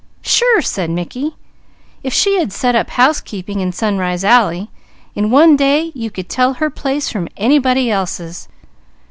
"Sure!" said Mickey. "If she had to set up housekeeping in Sunrise Alley in one day you could tell her place from anybody else's.